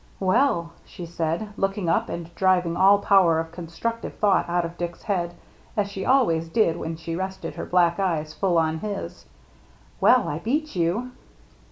"Well," she said, looking up, and driving all power of consecutive thought out of Dick's head, as she always did when she rested her black eyes full on his, " well, I beat you."